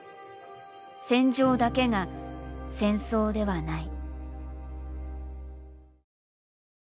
戦場だけが戦争ではない。